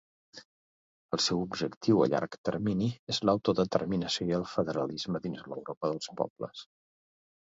El seu objectiu a llarg termini és l'autodeterminació i el federalisme dins l'Europa dels pobles.